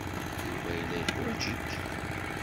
Yuba yella yeḥwaj-ik.